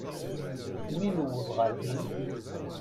Mi newweḍ ɣer din.